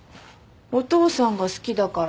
お父さんが好きだから。